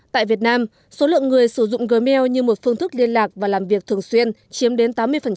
tại việt nam số lượng người sử dụng gm như một phương thức liên lạc và làm việc thường xuyên chiếm đến tám mươi